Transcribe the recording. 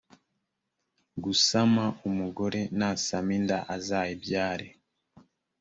gusama umugore nasama inda azayibyare